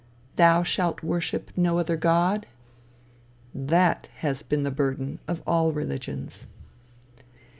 Thou shalt worship no other God? that has been the burden of all religions.